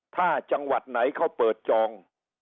ถ้าจังหวัดไหนเขาเปิดจอง